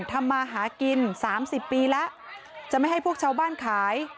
ทำมาหากิน๓๐ปีแล้วจะไม่ให้พวกชาวบ้านขาย